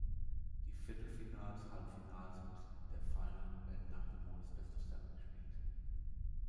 Die Viertelfinals, Halbfinals und der Final werden nach dem Modus Best of seven gespielt.